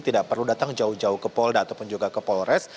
tidak perlu datang jauh jauh ke polda ataupun juga ke polres